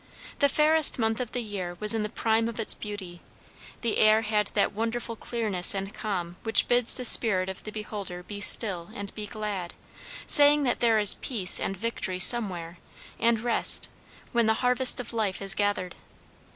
The fairest month of the year was in the prime of its beauty; the air had that wonderful clearness and calm which bids the spirit of the beholder be still and be glad, saying that there is peace and victory somewhere, and rest, when the harvest of life is gathered.